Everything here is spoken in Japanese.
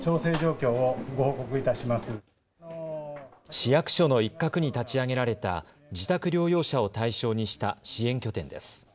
市役所の一角に立ち上げられた自宅療養者を対象にした支援拠点です。